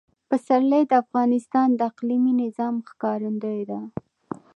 پسرلی د افغانستان د اقلیمي نظام ښکارندوی ده.